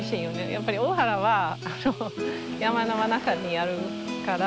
やっぱり大原は山の真ん中にあるから。